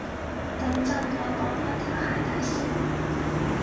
等陣，我綁返條鞋帶先